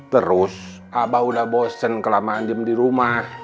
terus abah udah bosen kelamaan diem di rumah